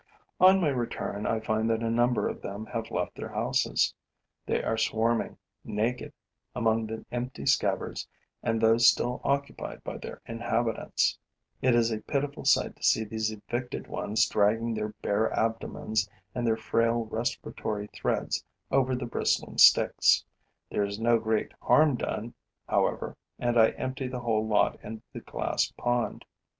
On my return, I find that a number of them have left their houses. They are swarming naked among the empty scabbards and those still occupied by their inhabitants. It is a pitiful sight to see these evicted ones dragging their bare abdomens and their frail respiratory threads over the bristling sticks. There is no great harm done, however; and I empty the whole lot into the glass pond.